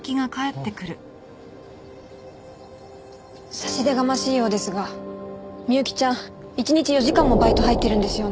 差し出がましいようですが美幸ちゃん一日４時間もバイト入ってるんですよね？